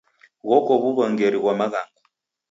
Ghoko w'uw'ongeri ghwa maghanga.